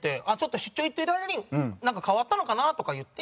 出張行ってる間になんか変わったのかな？とか言って。